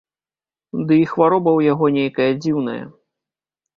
Ды і хвароба ў яго нейкая дзіўная.